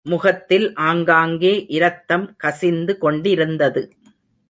முகத்தில் ஆங்காங்கே இரத்தம் கசிந்து கொண்டிருந்தது.